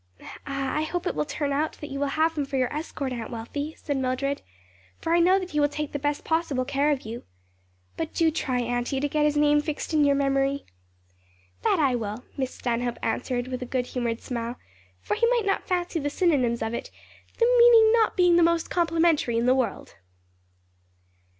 "Ah, I hope it will turn out that you will have him for your escort, Aunt Wealthy," said Mildred, "for I know that he will take the best possible care of you. But do try, auntie, to get his name fixed in your memory." "That I will," Miss Stanhope answered with a good humored smile; "for he might not fancy the synonyms of it; the meaning not being the most complimentary in the world."